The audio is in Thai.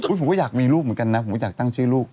ผมก็อยากมีลูกเหมือนกันนะผมก็อยากตั้งชื่อลูก